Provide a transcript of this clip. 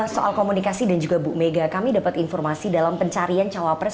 soal komunikasi dan juga bu mega kami dapat informasi dalam pencarian cawapres